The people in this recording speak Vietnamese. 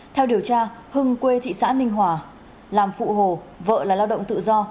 theo điều tra hưng quê thị xã ninh hòa làm phụ hồ vợ là lao động tự do